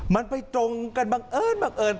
มันไปตรงกันบังเอิญ